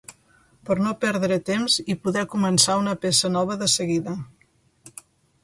Per a no perdre temps i poder començar una peça nova de seguida.